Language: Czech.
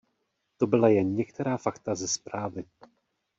To byla jen některá fakta ze zprávy.